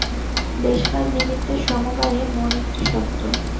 দেশ-কাল-নিমিত্তের সমবায়ে মন একটি সত্ত্ব।